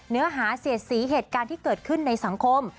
เนื้อหาเสียดสีเหตุการณ์ที่เกิดขึ้นในสังคม